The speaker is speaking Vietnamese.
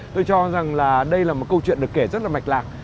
tôi cho rằng là đây là một câu chuyện được kể rất là mạch lạc